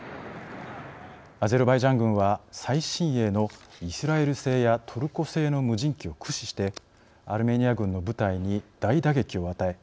アゼルバイジャン軍は最新鋭のイスラエル製やトルコ製の無人機を駆使してアルメニア軍の部隊に大打撃を与え